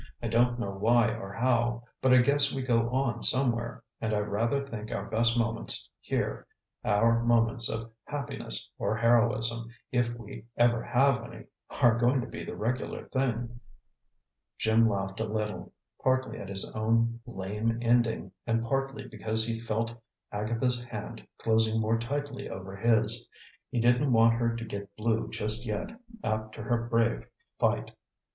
"I don't know why or how, but I guess we go on somewhere; and I rather think our best moments here our moments of happiness or heroism, if we ever have any are going to be the regular thing." Jim laughed a little, partly at his own lame ending, and partly because he felt Agatha's hand closing more tightly over his. He didn't want her to get blue just yet, after her brave fight.